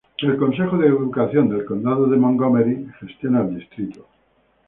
El Consejo de Educación del Condado de Montgomery gestiona el distrito.